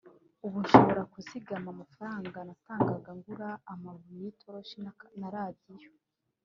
ubu nshobora kuzigama amafaranga natangaga ngura amabuye y’itoroshi na radiyo